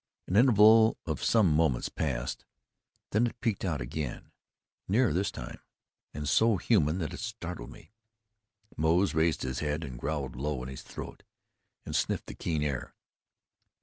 An interval of some moments passed, then it pealed out again, nearer this time, and so human that it startled me. Moze raised his head and growled low in his throat and sniffed the keen air.